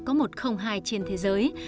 có một không hài trên thế giới